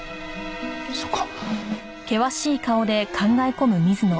そうか。